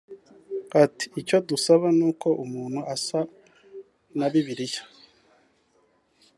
Ati “Icyo tubasaba ni uko umuntu asa na Bibiliya